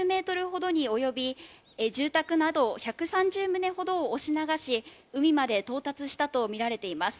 幅は１２０ｍほどにおよび、住宅など１３０棟ほどを押し流し、海まで到達したとみられています。